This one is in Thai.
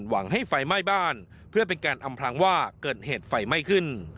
หวังให้ไฟไหม้บ้านเพื่อเป็นการอำพลังว่าเกิดเหตุไฟไหม้ขึ้น